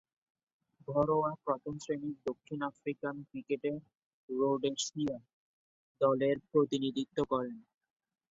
ঘরোয়া প্রথম-শ্রেণীর দক্ষিণ আফ্রিকান ক্রিকেটে রোডেশিয়া দলের প্রতিনিধিত্ব করেন।